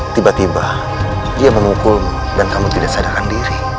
tiba tiba dia memukulmu dan kamu tidak sadarkan diri